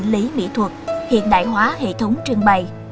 lý mỹ thuật hiện đại hóa hệ thống trưng bày